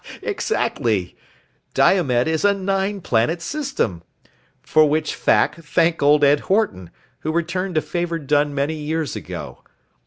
"Exactly. Diomed is a nine planet system. For which 'fack' thank old Ed Horton, who returned a favor done many years ago.